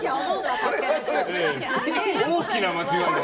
大きな間違いを。